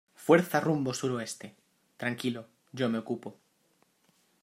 fuerza rumbo suroeste. tranquilo, yo me ocupo